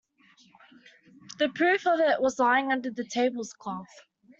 The proof of it was lying under the table-cloth.